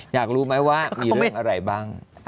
อยากรู้ไหมว่ามีเรื่องอะไรบ้าง